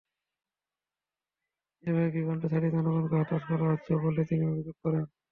এভাবে বিভ্রান্তি ছড়িয়ে জনগণকে হতাশ করা হচ্ছে বলে তিনি অভিযোগ করেন।